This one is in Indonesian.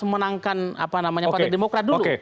memenangkan apa namanya partai demokrat dulu